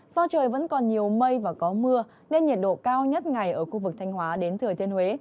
do trời vẫn còn nhiều mây và có mưa nên nhiệt độ cao nhất ngày ở khu vực thanh hóa đến thừa thiên huế